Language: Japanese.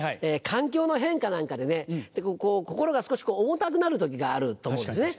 環境の変化なんかでね心が少し重たくなる時があると思うんですね。